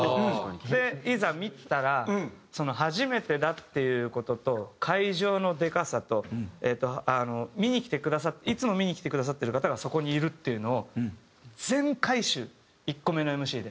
でいざ見たら初めてだっていう事と会場のでかさとえっと見に来てくださっていつも見に来てくださってる方がそこにいるっていうのを全回収１個目のＭＣで。